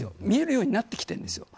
見えるようになってきているんです。